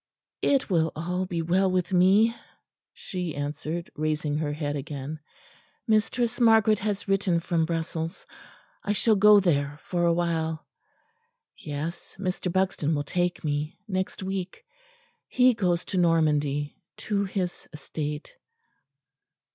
"It will all be well with me," she answered, raising her head again. "Mistress Margaret has written from Brussels. I shall go there for a while.... Yes, Mr. Buxton will take me; next week: he goes to Normandy, to his estate."